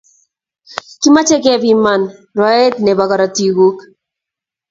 kimache kepiman rwaet nebo korotikuk